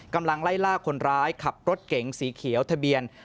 กำลังไล่ล่าคนร้ายขับรถเก๋งสีเขียวทะเบียน